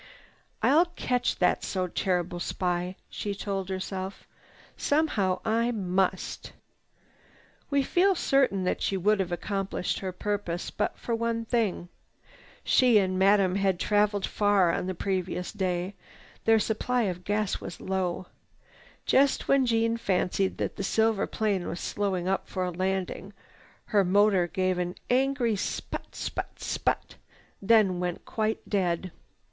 "I'll catch that so terrible spy," she told herself. "Somehow I must!" We feel certain that she would have accomplished her purpose, but for one thing. She and Madame had traveled far on the previous day. Their supply of gas was low. Just when Jeanne fancied that the silver plane was slowing up for a landing, her motor gave an angry sput sput sput, then went quite dead.